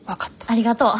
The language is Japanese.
ありがとう。